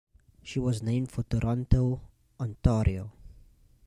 She was named for Toronto, Ontario.